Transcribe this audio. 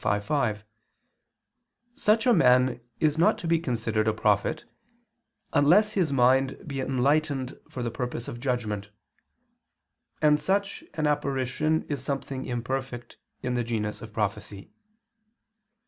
5:5), such a man is not to be considered a prophet, unless his mind be enlightened for the purpose of judgment; and such an apparition is something imperfect in the genus of prophecy.